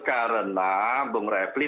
karena bang refli